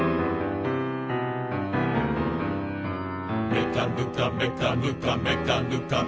「めかぬかめかぬかめかぬかめかぬか」